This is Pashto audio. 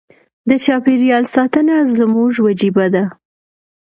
د چاپیریال ساتنه زموږ وجیبه ده.